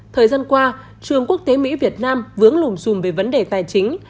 thời gian qua trường quốc tế mỹ việt nam vướng lùm xùm về vấn đề tài chính